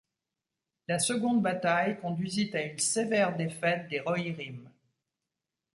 La seconde bataille conduisit à une sévère défaite des Rohirrim.